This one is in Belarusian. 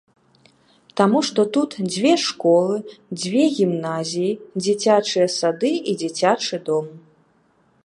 Таму што тут дзве школы, дзве гімназіі, дзіцячыя сады і дзіцячы дом.